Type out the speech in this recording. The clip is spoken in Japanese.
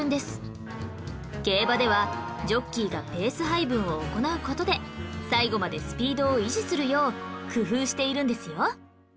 競馬ではジョッキーがペース配分を行う事で最後までスピードを維持するよう工夫しているんですよ